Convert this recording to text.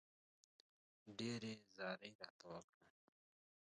ډېرې زارۍ راته وکړې.